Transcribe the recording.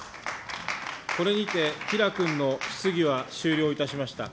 これにて吉良君の質疑は終了いたしました。